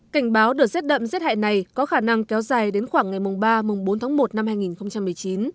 cảnh báo đợt rét đậm rét hại này có khả năng kéo dài đến khoảng ngày ba bốn tháng một năm hai nghìn một mươi chín